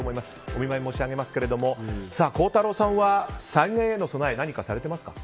お見舞い申し上げますが孝太郎さんは災害への備え何かされていますか。